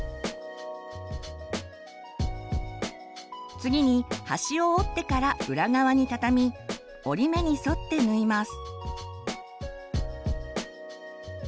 次に端を折ってから裏側に畳み折り目に沿って縫います。